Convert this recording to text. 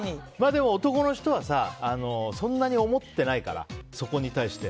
でも男の人はそんなに思ってないからそこに対して。